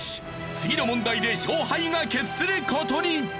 次の問題で勝敗が決する事に。